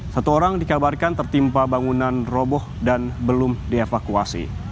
satu orang dikabarkan tertimpa bangunan roboh dan belum dievakuasi